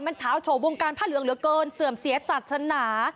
มันชาวโฉวงการพระเหลืองเหลือเกินเสื่อมเสียสัตว์ธนา